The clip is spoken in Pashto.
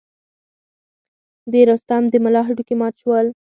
د رستم د ملا هډوکي مات شول.